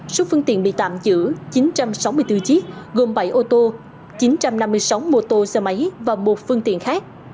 số phương tiện bị tạm giữ chín trăm sáu mươi bốn chiếc gồm bảy ô tô chín trăm năm mươi sáu mô tô xe máy và một phương tiện khác